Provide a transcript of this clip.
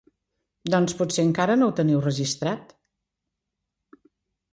Doncs potser encara no ho teniu registrat.